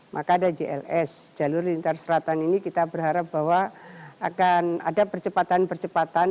maka ada jls jalur lintas selatan ini kita berharap bahwa akan ada percepatan percepatan